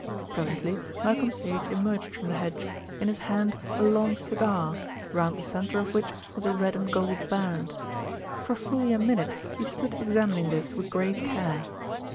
Presently Malcolm Sage emerged from the hedge, in his hand a long cigar, round the centre of which was a red and gold band. For fully a minute he stood examining this with great care.